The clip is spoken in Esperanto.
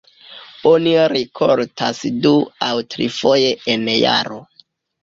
Oni rikoltas du aŭ trifoje en jaro.